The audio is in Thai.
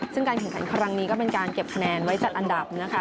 ซึ่งการแข่งขันครั้งนี้ก็เป็นการเก็บคะแนนไว้จัดอันดับนะคะ